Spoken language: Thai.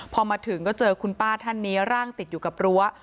พอมาถึงก็เจอคุณป้าท่านนี้ร่างติดอยู่กับรั้ว